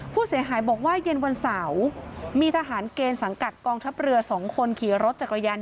ผู้เสียหายบอกว่าเย็นวันเสาร์มีทหารเกณฑ์สังกัดกองทัพเรือ๒คนขี่รถจักรยาน